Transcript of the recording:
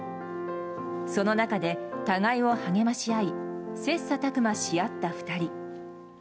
その中で互いを励まし合い切磋琢磨し合った２人。